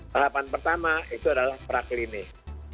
tahapan pertama itu adalah praklinik